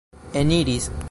eniris